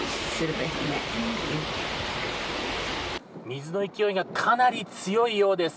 水の勢いがかなり強いようです。